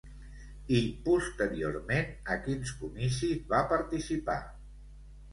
I posteriorment a quins comicis va participar?